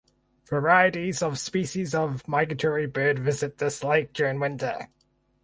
Varieties of species of migratory bird visit this lake during winter.